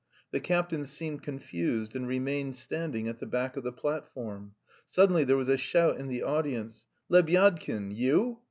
The captain seemed confused and remained standing at the back of the platform. Suddenly there was a shout in the audience, "Lebyadkin! You?"